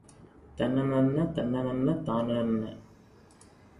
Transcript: தன்னநன்ன தன்னநன்ன தானநன்ன!.